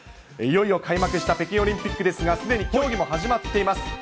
いよいよ開幕した北京オリンピックですが、すでに競技も始まっています。